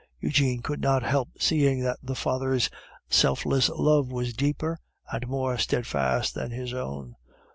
Eugene could not help seeing that the father's self less love was deeper and more steadfast than his own.